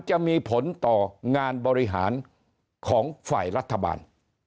จะมีผลต่องานบริหารของฝ่ายรัฐบาล